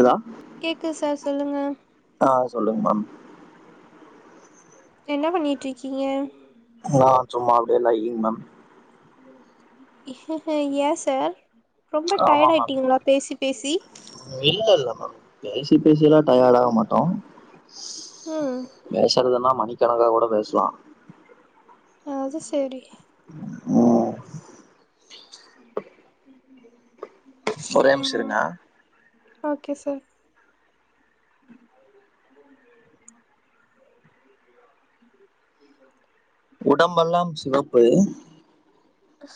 தா கேக்குது சார் சொல்லுங்க ஆ சொல்லுங் மேம் என்ன பண்ணிட்ருக்கிங்க நா சும்மா அப்டியே லையிங் மேம் ஏ சார் ரொம்ப ஆமா டயர்ட் மேம் ஆயிட்டிங்ளா பேசி பேசி பேசி பேசி எல்லா டயர்டாக மாட்டோ ம் பேசுறதுனா மணிக்கணக்கா கூட பேசலா அது செரி ம் ஒரே நிமிஷம் ம் இருங்க ஓகே சார் ஆ இ உடம்பெல்லாம் சிவப்பு ஹ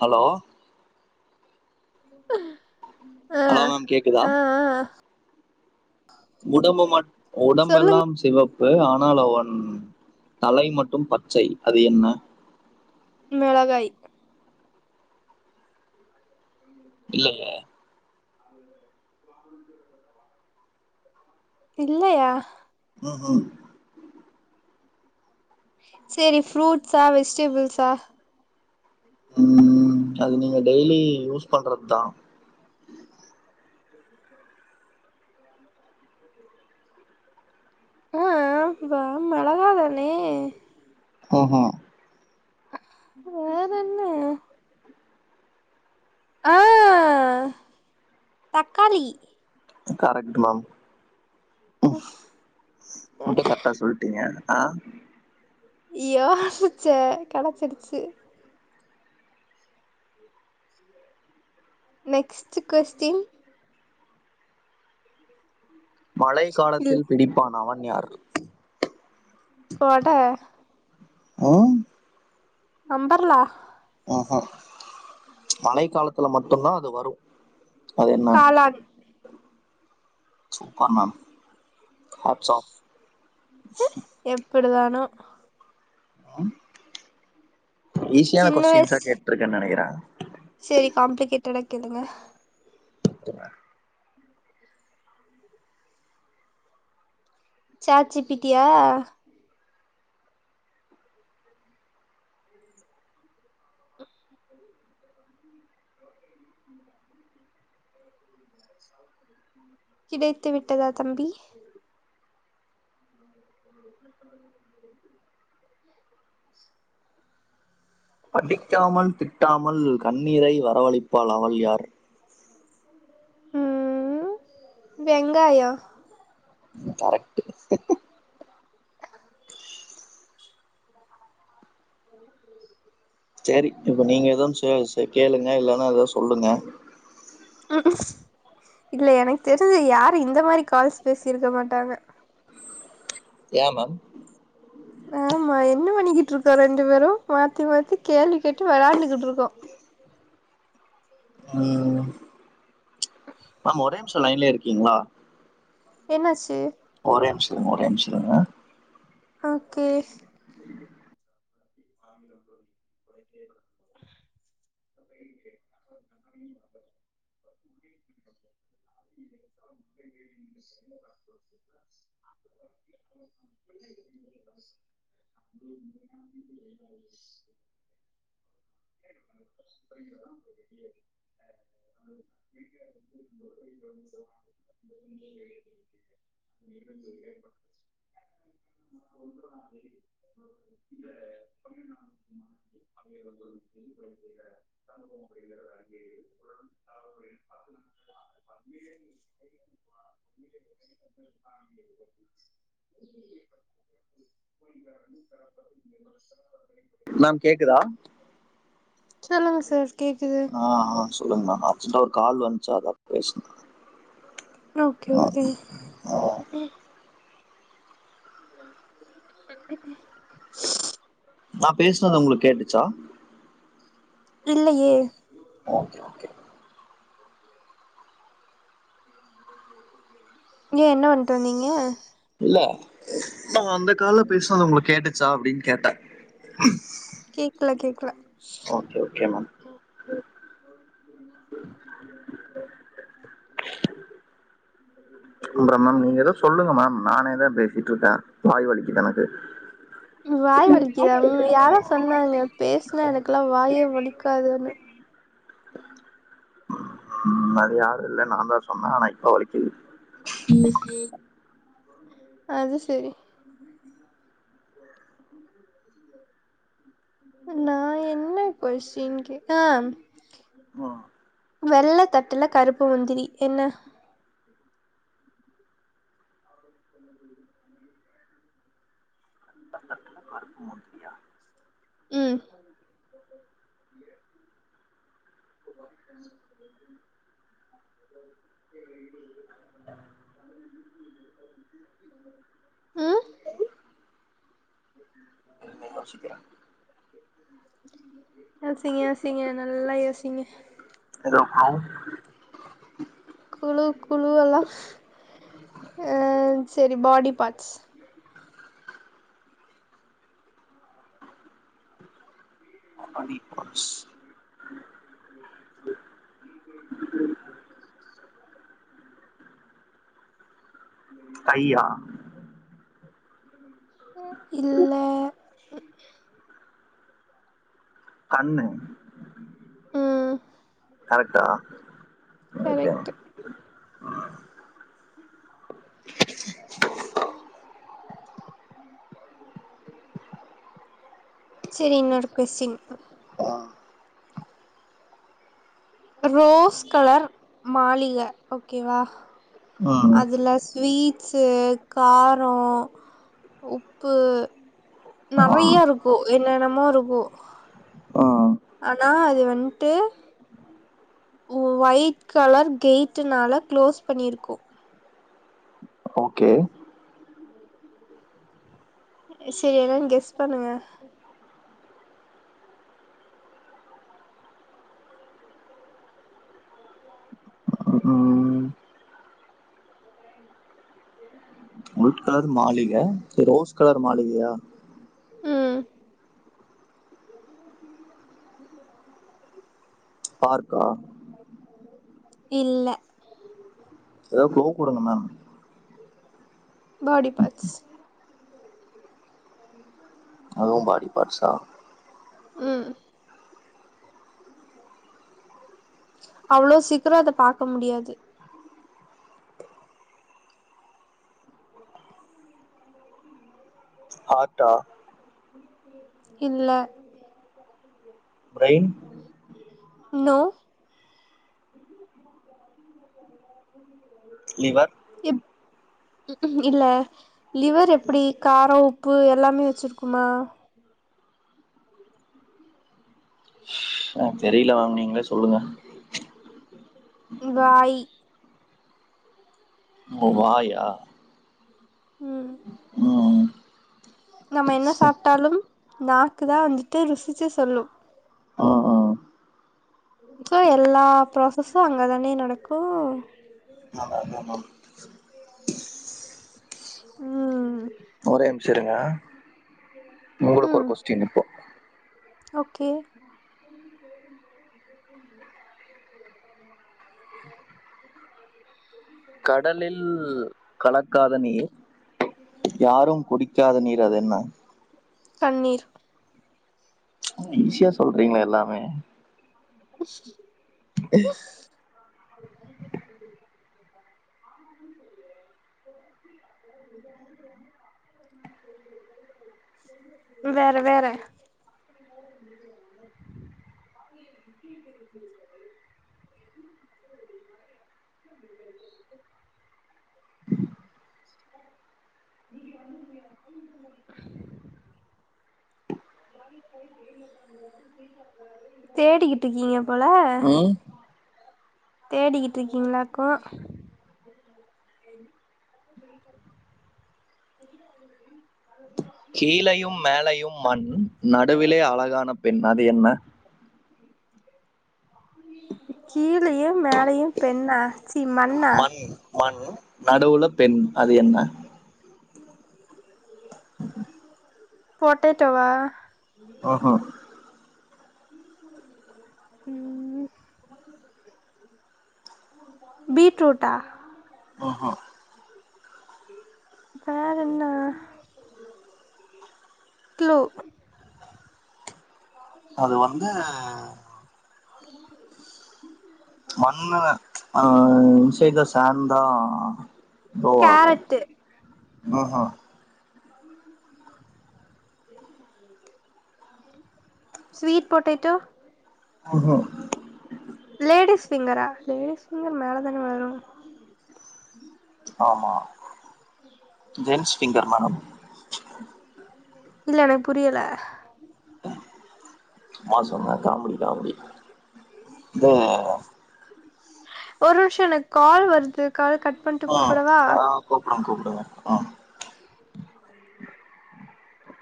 ஹலோ ஆ ஹலோ மேம் கேக்குதா ஆ ஆ உடம்பு ம சொல்லுங்க உடம்பெல்லாம் சிவப்பு ஆனால் அவன் தலை மட்டும் பச்சை அது என்ன மிளகாய் ம் இல்லங்க [inaudible] இல்லயா ம் ம் சரி ஃப்ரூட்ஸா வெஜிடபிள்ஸா ம் அது நீங்க டெய்லி யூஸ் பண்றது தான் [inaudible] [inaudible] [inaudible] அ வா மொளகா தானே ம் ம் வேற என்ன அ தக்காளி கரக்ட் மேம் இப்ப கரக்ட்டா சொல் ட்டீங்க அ யோசிச்சேன் கெடச்சிருச்சு நெக்ஸ்ட் கொஸ்டின் மழைக் காலத்தில் பிடிப்பான் அவன் யார் கொட ம் அம்பர்லா ம் ம் மழை காலத்துல மட்டுந்தா அது வரும் அது என்ன சூப்பர் மேம் ஹாப்ஸ் ஆஃப் எப்புடிதானோ ஈஸியான கொஸ்டின்ஸா கேட்டிருக்கன்னு நெனைக்கிறன் சரி காம்ப்ளிகேட்டடா கேளுங்க okay ma'am chat G P டியா [inaudible] [inaudible] [inaudible] கிடைத்து விட்டதா தம்பி அந்த லொகேஷன் எல்லாம் எதுவும் பண்ண முடியாது அடிக்காமல் திட்டாமல் கண்ணீரை வரவழிப்பாள் அவள் யார் ம் வெங்காயோ கரெக்ட்டு சேரி இப்ப நீங்க எது சொ சொ கேளுங்க இல்லன்னா எதா சொல்லுங்க இல்ல எனக்கு தெரிஞ்சு யாரு இந்த மாரி கால்ஸ் பேசிருக்க மாட்டாங்க ஏ மேம் ஆமா என்ன பண்ணிக்கிட்டுருக்கோ ரெண்டு பேரு மாத்தி மாத்தி கேள்வி கேட்டு வெளாண்டுகிட்டு இருக்கோ ம் மேம் ஒரே நிம்ஷோ லைன்லே இருக்கீங்ளா என்னாச்சு ஒரே நிம்ஷோ ஒரே நிம்ஷோ இருங்க ஓகே மேம் கேக்குதா சொல்லுங்க சார் கேக்குது ஆ ஆ சொல்லுங்க மேம் அர்ஜெண்டா ஒரு கால் வந்துச்சா அதா ஓகே ஆ, ஓகே ஆ. நா பேசுனது உங்களுக்கு கேட்டுச்சா இல்லையே ஓகே ஓகே ஏ என்ன வண்ட்டு வந்தீங்க இல்ல நா அந்த கால்ல பேசினது உங்களுக்கு கேட்டுச்சா அப்டின்னு கேட்டே கேக்ல கேக்கல ஓகே ஓகே மேம் சொல்றே மேம் நீங்க ஏதோ சொல்லுங்க மேம் நானேதா பேசிட்டுருக்கே வாய் வலிக்குது எனக்கு வாய் வலிக்குதா யாரோ சொன்னாங்க பேஸ்னா எனக்கெல்லா வாயே வலிக்காதுன்னு அது யாரு இல்ல நாந்தா சொன்னோ ஆனா இப்ப வலிக்குது அது செரி நா என்ன கொஸ்டீன் கேக் ஆ ம் ஆ வெள்ள தட்டுல கருப்பு முந்திரி என்ன வெள்ள தட்டுல கருப்பு முந்திரியா ம் ம் இருங்க யோசிக்கிற யோசிங்க யோசிங்க நல்லா யோசிங்க ஹலோ அக்கா குழு குழு எல்லா அ செரி பாடி பார்ட்ஸ் பாடி பார்ட்ஸ் கையா இல்ல கண்ணு ம் கரெக்டா ஓகே கரெக்ட்டு சேரி இன்னொரு கொஸ்டின் ஆஹ் ரோஸ் கலர் மாளிக ஓகேவா ம் அதுல ஸ்வீட்ஸ் கார உப்பு ம் நெறய இருக்கும் என்னென்னமோ இருக்கும் ம் ஆனா அது வந்துட்டு ஒயிட் கலர் கேயட்டுனால க்ளோஸ் பண்ணியிருக்கு ஓகே சேரி ஏதாவது கெஸ் பண்ணுங்க ம் [inaudible] கலர் மாளிக ரோஸ் கலர் மாளிகயா ம் [inaudible] பார்க்கா இல்ல ஏதாவது குளு குடுங்க மேம் பாடி பார்ட்ஸ் அதும் பாடி பாட்ஸா ம் அவ்ளோ சீக்கிர அத பாக்க முடியாது ஹார்ட்டா இல்ல பிரெயின் நோ லிவர் இப் இல்ல லிவர் எப்பிடி காரோ, உப்பு எல்லாமே வெச்சிருக்குமா ஆ தெரில மேம் நீங்ளே சொல்லுங்க வாய் ஓ வாயா ம் ம் ம் நம்ம என்ன சாப்ட்டாலும் நாக்கு தா வந்துட்டு ருசிச்சு சொல்லு ம் ம் சோ எல்லா ப்ராசஸு அங்க தானே நடக்கு ஆமாமாமாம் ம் ஒரே நிம்ஷோ இருங்க உங்களுக்கொரு ம் கொஸ்டீன் இப்போ ஓகே [inaudible] கடலில் கலக்காத நீர் யாரும் குடிக்காத நீர் அதென்ன கண்ணீர் ம் ஈஸியா சொல்றீங்ளே எல்லாமே [inaudible] [inaudible] வேற வேற [unintelligible] [unintelligible] [unintelligible] நீங்க வந்து தேடிக்கிட்ருக்கீங்க போல ம் தேடிக்கிட்ருக்கீங்களாக்கு [unintelligible] கீழயும் மேலயும் மண் நடுவிலே அழகான பெண் அது என்ன கீழயு மேலயு பெண்ணா மண் மண் நடுவுல பெண் அது என்ன [unintelligible] [unintelligible] பொட்டேட்டோவா ம்ஹும், ம் பீட்ரூட்டா ஆ ஆ வேறென்ன க்ளூ அது வந்து [unintelligible] மண்ணு ஆ இன்சைட் த சேன் தா க்ரோவாகு கேரட்டு ம்ம் [unintelligible] ஸ்வீட் பொட்டேட்டோ ம்ஹூ லேடிஸ் பிங்கரா லேடிஸ் பிங்கர் மேல தான வளரு ஆமா ஜென்ஸ் பிங்கர்னானு இல்ல எனக்கு புரியல சும்மா சொன்னே காமெடி காமெடி இது ஒரு நிமிஷோ எனக்கு கால் வருது கால் கட் பண்ட்டு ஆ கூப்படவா அ கூப்புடுங்க கூப்புடுங்க ஆ